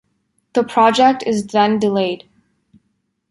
The project is then delayed.